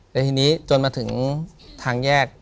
ถูกต้องไหมครับถูกต้องไหมครับ